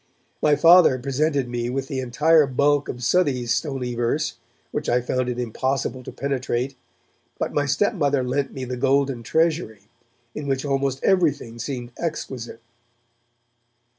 My Father presented me with the entire bulk of Southey's stony verse, which I found it impossible to penetrate, but my stepmother lent me The Golden Treasury, in which almost everything seemed exquisite.